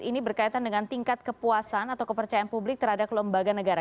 ini berkaitan dengan tingkat kepuasan atau kepercayaan publik terhadap lembaga negara